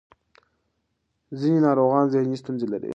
ځینې ناروغان ذهني ستونزې لري.